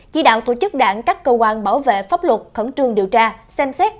chỉ đạo tổ chức đảng các cơ quan bảo vệ pháp luật khẩn trương điều tra xem xét